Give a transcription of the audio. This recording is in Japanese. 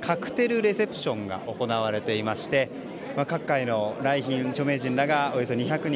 カクテルレセプションが行われていまして各界の来賓著名人らがおよそ２００人